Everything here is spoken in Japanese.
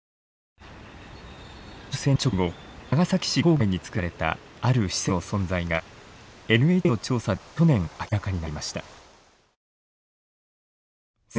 終戦直後長崎市郊外につくられたある施設の存在がＮＨＫの調査で去年明らかになりました。